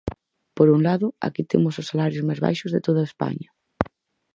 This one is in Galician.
Por un lado, aquí temos os salarios máis baixos de toda España.